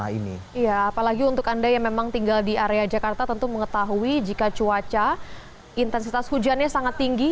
apalagi untuk anda yang memang tinggal di area jakarta tentu mengetahui jika cuaca intensitas hujannya sangat tinggi